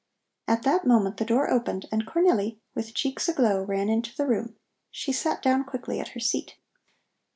At that moment the door opened and Cornelli, with cheeks aglow, ran into the room. She sat down quickly at her seat.